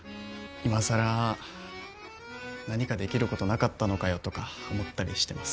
今更何かできることなかったのかよとか思ったりしてます。